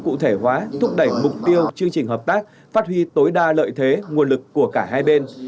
cụ thể hóa thúc đẩy mục tiêu chương trình hợp tác phát huy tối đa lợi thế nguồn lực của cả hai bên